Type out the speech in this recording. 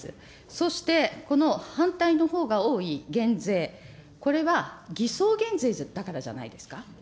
そして、この反対のほうが多い、減税、これは偽装減税だからじゃないですか。